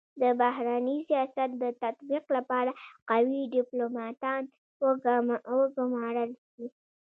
د بهرني سیاست د تطبیق لپاره قوي ډيپلوماتان و ګمارل سي.